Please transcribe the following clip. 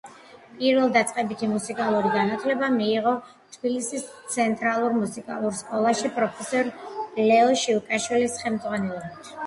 პირველდაწყებითი მუსიკალური განათლება მიიღო თბილისის ცენტრალურ მუსიკალურ სკოლაში პროფესორ ლეო შიუკაშვილის ხელმძღვანელობით.